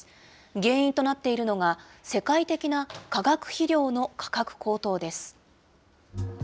原因となっているのが、世界的な化学肥料の価格高騰です。